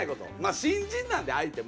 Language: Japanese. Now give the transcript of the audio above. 新人なので相手も。